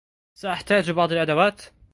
سأحتاج بعض الأدوات.